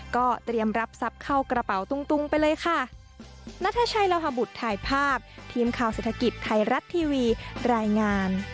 ก็เตรียมรับทรัพย์เข้ากระเป๋าตุงไปเลยค่ะ